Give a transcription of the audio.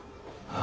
あ。